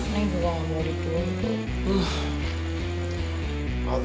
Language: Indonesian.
neng juga gak boleh dituntut